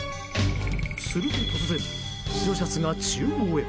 すると突然、白シャツが厨房へ。